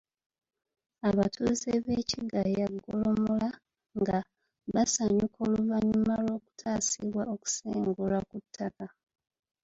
Abatuuze b'e Kigaya Golomolo nga basanyuka oluvannyuma lw'okutaasibwa okusengulwa ku ttaka.